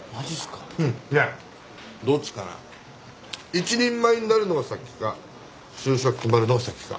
一人前になるのが先か就職決まるのが先か。